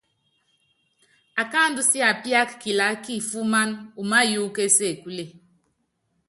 Akáandú siapiáka kilaá kifuman, umáyuukɔ ésekule.